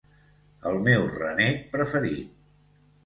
El meu renec preferit